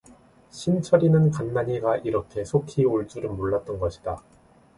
신철이는 간난이가 이렇게 속히 올 줄은 몰랐던 것이다.